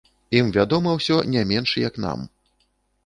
Ім вядома ўсё не менш, як нам.